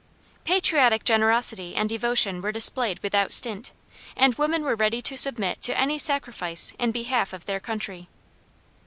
Patriotic generosity and devotion were displayed without stint, and women were ready to submit to any sacrifice in behalf of their country.